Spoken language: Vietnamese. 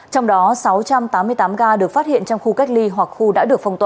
trong đó sáu trăm tám mươi tám ca được phát hiện trong khu cách ly hoặc khu đã được phong tỏa